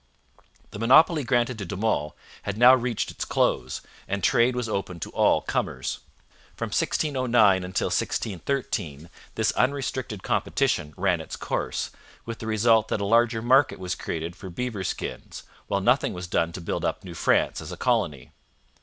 The monopoly granted to De Monts had now reached its close, and trade was open to all comers. From 1609 until 1613 this unrestricted competition ran its course, with the result that a larger market was created for beaver skins, while nothing was done to build up New France as a colony.